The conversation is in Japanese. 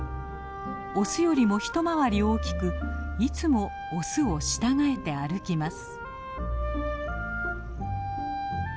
オスよりも一回り大きくいつもオスを従えて歩きます。